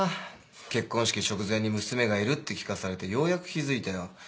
結婚式直前に娘がいるって聞かされてようやく気付いたよ。